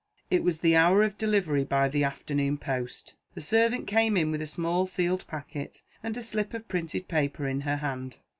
It was the hour of delivery by the afternoon post. The servant came in with a small sealed packet, and a slip of printed paper in her hand.